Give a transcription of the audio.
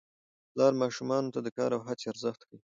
پلار ماشومانو ته د کار او هڅې ارزښت ښيي